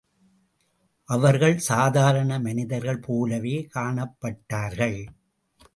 அவர்கள் சாதாரன மனிதர்கள் போலவே காணப்பட்டார்கள்.